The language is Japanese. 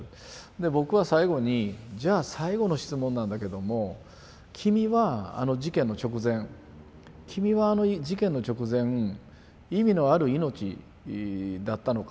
で僕は最後にじゃあ最後の質問なんだけども君はあの事件の直前君はあの事件の直前意味のある命だったのか？